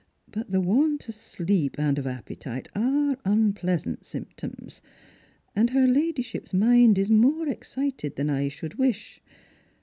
But the want of sleep and of ap petite are unpleasant symptoms, and her ladyship's mind is more excited than I should wish.